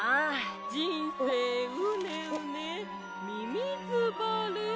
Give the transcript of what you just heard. じんせいうねうねみみずばれ！